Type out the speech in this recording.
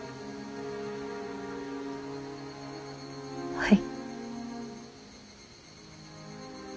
はい。